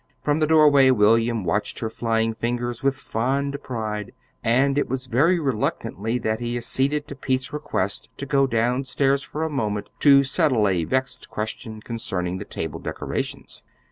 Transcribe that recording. From the doorway William watched her flying fingers with fond pride, and it was very reluctantly that he acceded to Pete's request to go down stairs for a moment to settle a vexed question concerning the table decorations.